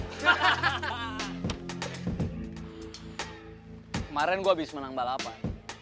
kemaren gue abis menang balapan